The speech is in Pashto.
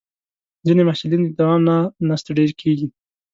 ځینې محصلین د دوام نه ستړي کېږي.